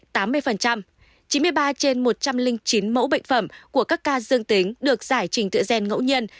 chín mươi ba trên một trăm linh chín mẫu bệnh phẩm của các ca dương tính được giải trình tự gen ngẫu nhiên